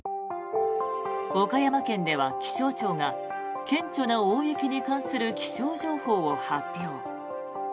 岡山県では気象庁が顕著な大雪に関する気象情報を発表。